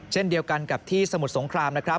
เช่นเดียวกันกับที่สมุทรสงคราม